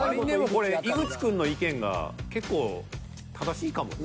これ井口くんの意見が結構正しいかもよ。